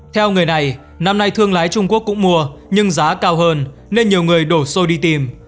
theo người này năm nay thương lái trung quốc cũng mua nhưng giá cao hơn nên nhiều người đổ xô đi tìm